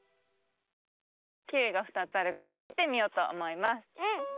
キウイが２つあるからきってみようとおもいます。